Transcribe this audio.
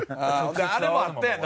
あれもあったやん。